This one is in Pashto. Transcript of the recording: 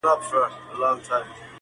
په يوه چپلاخه د سلو مخ خوږېږي.